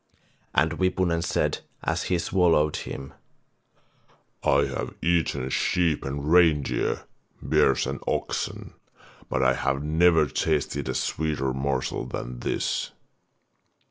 And Wipunen said, as he swallowed him: 'I have eaten sheep and reindeer, bears and oxen, but I have never tasted a sweeter morsel than this.